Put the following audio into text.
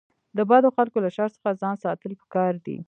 د بدو خلکو له شر څخه ځان ساتل پکار دي.